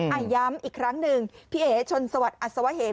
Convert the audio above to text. ย้ำอีกครั้งหนึ่งพี่เอ๋ชนสวัสดิอัศวะเหม